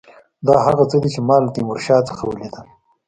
دا هغه څه دي چې ما له تیمورشاه څخه ولیدل.